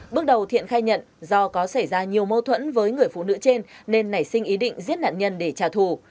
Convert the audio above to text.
bước đầu thiện khai nhận do có xảy ra nhiều mâu thuẫn với người phụ nữ trên nên nảy sinh ý định giết nạn nhân để trả thù